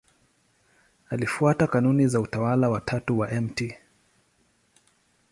Alifuata kanuni za Utawa wa Tatu wa Mt.